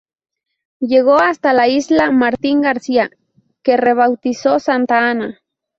Llegó hasta la isla Martín García, que rebautizó "Santa Ana".